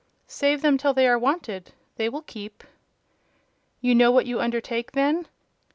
"Save them till they are wanted. They will keep." "You know what you undertake, then?"